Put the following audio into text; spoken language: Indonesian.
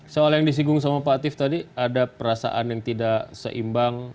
soal yang disinggung sama pak tiff tadi ada perasaan yang tidak seimbang